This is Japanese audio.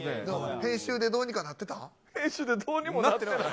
編集でどうにもなってない。